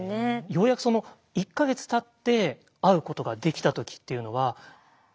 ようやくその１か月たって会うことができた時っていうのは。